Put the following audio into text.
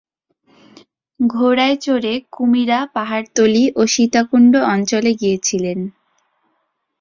ঘোড়ায় চড়ে কুমিরা, পাহাড়তলী ও সীতাকুণ্ড অঞ্চলে গিয়েছিলেন।